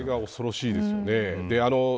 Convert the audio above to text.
それが恐ろしいですよね。